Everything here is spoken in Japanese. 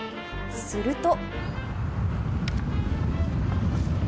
すると。